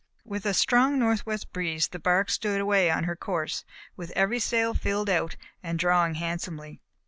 With a strong northwest breeze the bark stood away on her course, with every sail filled out and drawing handsomely.